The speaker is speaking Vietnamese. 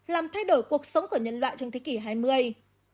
làm thay đổi cuộc sống của nhân loại trong thế kỷ hai mươi